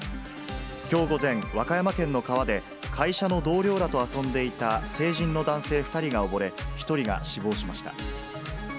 きょう午前、和歌山県の川で、会社の同僚らと遊んでいた成人の男性２人が溺れ、１人が死亡しました。